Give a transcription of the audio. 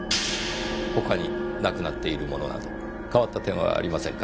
他になくなっているものなど変わった点はありませんか？